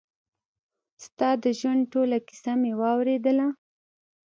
ستا د ژوند ټوله کيسه مې واورېدله.